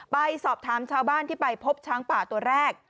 ไปสอบถามชาวบ้านที่ไปพบช้างป่าตัวแรก